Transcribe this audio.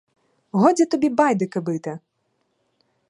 Годі тобі байдики бити!